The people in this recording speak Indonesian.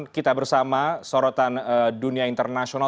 kita bersama sorotan dunia internasional